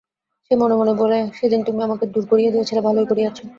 সে মনে মনে বলে, সেদিন তুমি আমাকে দূর করিয়া দিয়াছিলে ভালোই করিয়াছ।